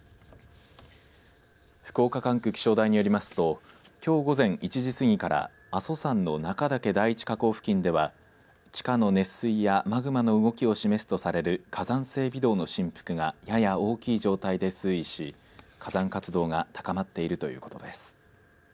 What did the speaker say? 福岡管区気象台によりますときょう午前１時過ぎから阿蘇山の中岳第一火口付近では地下の熱水やマグマの動きを示すとされる火山性微動の振幅がやや大きい状態で推移し火山活動が高まっているということです。